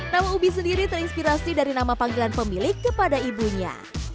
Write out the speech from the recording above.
nama ubi sendiri terinspirasi dari nama panggilan pemilik kepada ibunya